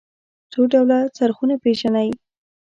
څو ډوله څرخونه پيژنئ.